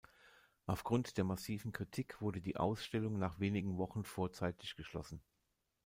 Aufgrund der massiven Kritik wurde die Ausstellung nach wenigen Wochen vorzeitig geschlossen.